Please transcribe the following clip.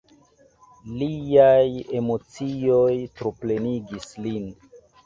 Liaj emocioj troplenigis lin.